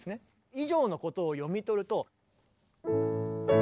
以上のことを読み取ると。